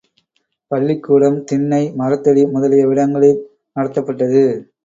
பள்ளிக்கூடம், திண்ணை, மரத்தடி முதலிய விடங்களில் நடத்தப்பட்டது.